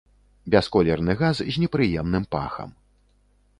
Бясколерны газ з непрыемным пахам.